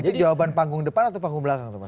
itu jawaban panggung depan atau panggung belakang